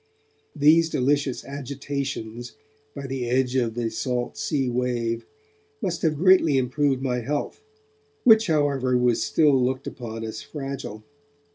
These delicious agitations by the edge of the salt sea wave must have greatly improved my health, which however was still looked upon as fragile.